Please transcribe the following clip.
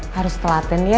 harus telatin ya